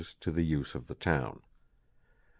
_ "to the use of the town"].